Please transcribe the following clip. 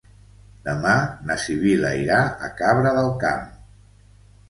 Demà na Sibil·la irà a Cabra del Camp.